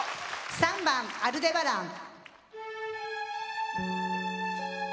３番「アルデバラン」。